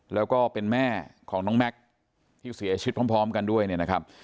แล้วก็เป็นแม่ของน้องแม็กซ์ที่เสียชีวิตพร้อมกันด้วยเนี่ยนะครับ